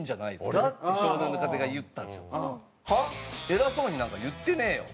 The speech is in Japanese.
偉そうになんか言ってねえよ」。